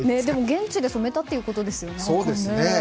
現地で染めたということですよね。